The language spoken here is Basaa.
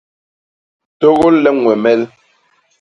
Tôgôl le ñwemel!